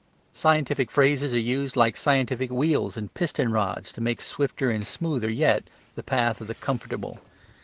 Scientific phrases are used like scientific wheels and piston rods to make swifter and smoother yet the path of the comfortable.